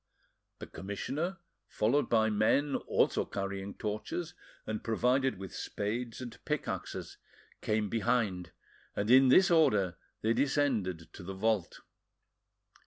The commissioner, followed by men also carrying torches, and provided with spades and pickaxes, came behind, and in this order they descended to the vault.